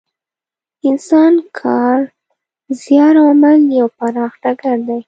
انسان کار، زیار او عمل یو پراخ ډګر دی.